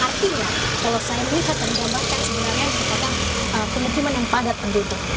artinya kalau saya ini saya akan pembaharkan sebenarnya penerimaan yang padat terduduk